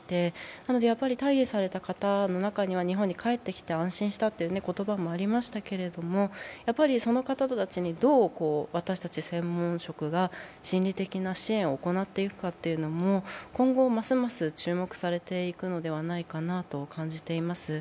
なので、退避された方の中には、日本に帰ってきて安心したという言葉もありましたが、その方たちにどう私たち専門職が心理的な支援を行っていくかというのも今後ますます注目されていくのではないかなと感じています。